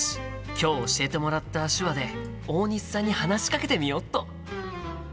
今日教えてもらった手話で大西さんに話しかけてみよっと！